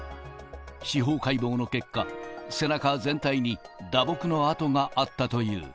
司法解剖の結果、背中全体に打撲の痕があったという。